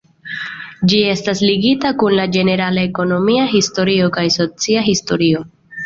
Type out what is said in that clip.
Ĝi estas ligita kun la ĝenerala ekonomia historio kaj socia historio.